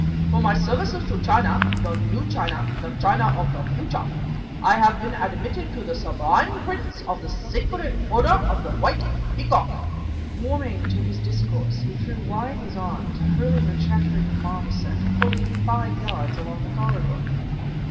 For my services to China the New China, the China of the future I have been admitted by the Sublime Prince to the Sacred Order of the White Peacock." Warming to his discourse, he threw wide his arms, hurling the chattering marmoset fully five yards along the corridor.